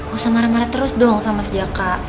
gak usah marah marah terus dong sama mas jaka